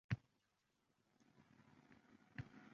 Iyi, Shokirjon xafa bo`lmaysiz